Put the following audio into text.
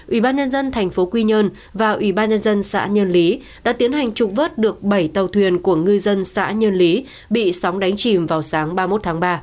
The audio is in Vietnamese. ủy ban nhân dân thành phố quy nhơn và ủy ban nhân dân xã nhân lý đã tiến hành trục vớt được bảy tàu thuyền của ngư dân xã nhân lý bị sóng đánh chìm vào sáng ba mươi một tháng ba